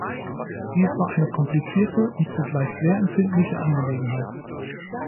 Dies war eine komplizierte und zugleich sehr empflindliche Angelegenheit.